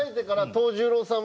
藤十郎さん。